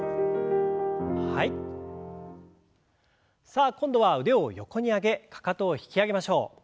さあ今度は腕を横に上げかかとを引き上げましょう。